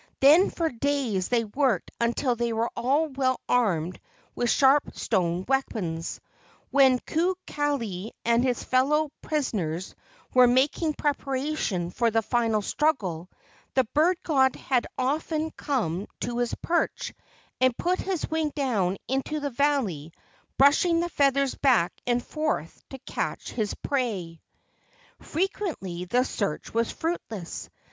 Then for days they worked until they were all well armed with sharp stone weapons. While Kukali and his fellow prisoners were making preparation for the final struggle, the bird god had often come to his perch and put his wing down into the valley, brushing the feathers back and forth to catch his prey. ?o LEGENDS OF GHOSTS Frequently the search was fruitless.